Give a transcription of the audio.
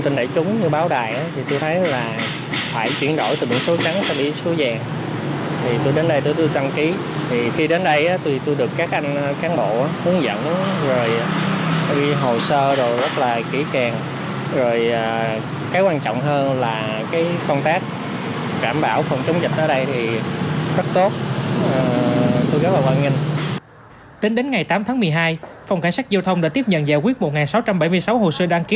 tính đến ngày tám tháng một mươi hai phòng cảnh sát giao thông đã tiếp nhận giải quyết một sáu trăm bảy mươi sáu hồ sơ đăng ký